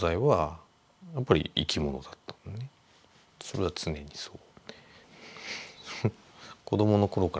それは常にそう。